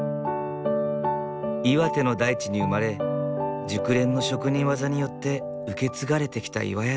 岩手の大地に生まれ熟練の職人技によって受け継がれてきた岩谷堂箪笥。